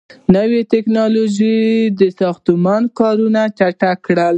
• نوي ټیکنالوژۍ ساختماني کارونه چټک کړل.